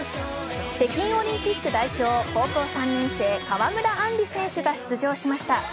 北京オリンピック代表、高校３年生、川村あんり選手が出場しました。